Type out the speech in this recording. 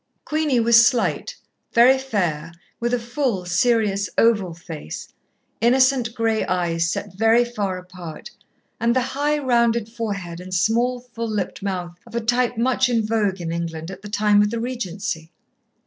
Queenie was slight, very fair, with a full, serious oval face, innocent grey eyes set very far apart, and the high, rounded forehead and small, full lipped mouth, of a type much in vogue in England at the time of the Regency.